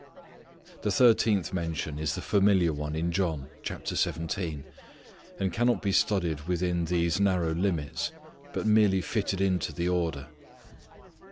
The thirteenth mention is the familiar one in John, chapter seventeen, and cannot be studied within these narrow limits, but merely fitted into Us order.